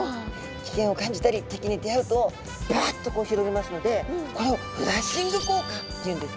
危険を感じたり敵に出会うとバッとこう広げますのでこれをフラッシング効果っていうんですね。